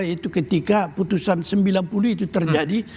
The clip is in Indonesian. yaitu ketika putusan sembilan puluh itu terjadi